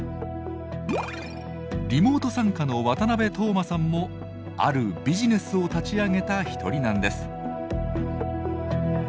リモート参加の渡部透馬さんもあるビジネスを立ち上げた一人なんです。